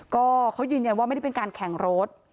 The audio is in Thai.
ก็เขายืนยันว่าไม่ได้เป็นการแข่งรถ